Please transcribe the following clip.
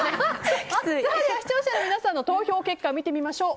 では視聴者の皆さんの投票結果を見てみましょう。